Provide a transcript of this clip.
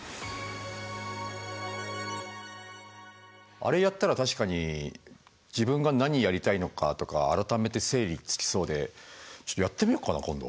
あれやったら確かに自分が何やりたいのかとか改めて整理つきそうでちょっとやってみよっかな今度。